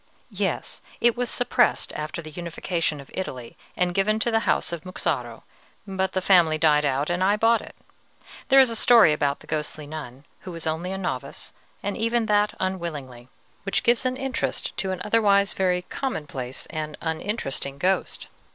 "Yes; it was suppressed after the unification of Italy, and given to the House of Muxaro; but the family died out, and I bought it. There is a story about the ghostly nun, who was only a novice, and even that unwillingly, which gives an interest to an otherwise very commonplace and uninteresting ghost."